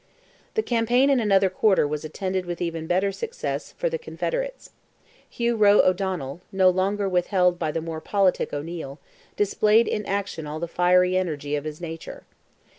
The campaign in another quarter was attended with even better success for the Confederates. Hugh Roe O'Donnell, no longer withheld by the more politic O'Neil, displayed in action all the fiery energy of his nature.